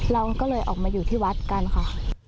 เราก็เลยออกมาอยู่ที่วัดกันค่ะ